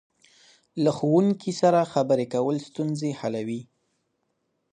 له ښوونکي سره خبرې کول ستونزې حلوي.